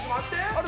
あれ？